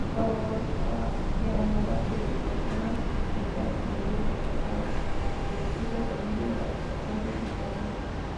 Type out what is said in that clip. Las cianobacterias proporcionan nitratos solubles al arrecife, por medio de la fijación de nitrógeno.